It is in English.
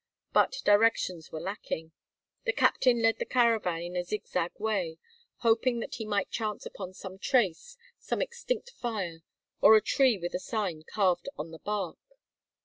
But directions were lacking. The captain led the caravan in a zigzag way, hoping that he might chance upon some trace, some extinct fire, or a tree with a sign carved on the bark.